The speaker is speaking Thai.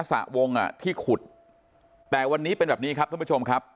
สระวงอ่ะที่ขุดแต่วันนี้เป็นแบบนี้ครับท่านผู้ชมครับ